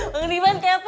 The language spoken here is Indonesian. mang liman kepo kan